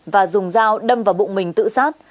và dùng dao đâm vào bụng mình tự sát